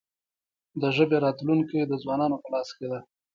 د ژبې راتلونکې د ځوانانو په لاس کې ده.